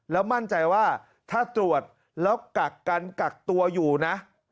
แล้วมั่นใจว่าถ้าตรวจแล้วกักกันกักตัวอยู่นะ